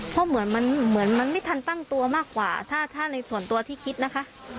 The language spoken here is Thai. เพราะเหมือนมันเหมือนมันไม่ทันตั้งตัวมากกว่าถ้าในส่วนตัวที่คิดนะคะ